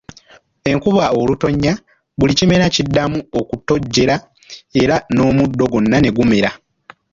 Enkuba olutonya, buli kimera kiddamu okutojjera era n'omuddo gwonna ne gumera.